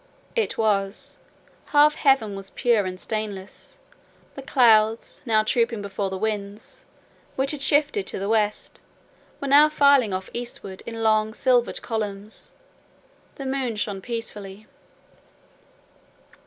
It was. Half heaven was pure and stainless: the clouds, now trooping before the wind, which had shifted to the west, were filing off eastward in long, silvered columns. The moon shone peacefully.